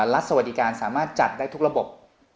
สวัสดีการสามารถจัดได้ทุกระบบ